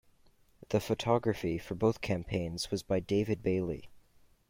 The photography for both campaigns was by David Bailey.